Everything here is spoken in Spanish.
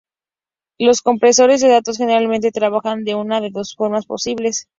Los compresores de datos generalmente trabajan de una de dos formas posibles.